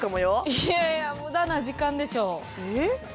いやいや無駄な時間でしょ。